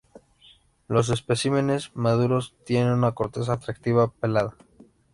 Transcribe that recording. Los especímenes maduros tienen una corteza atractiva pelada.